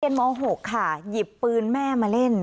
ม๖ค่ะหยิบปืนแม่มาเล่น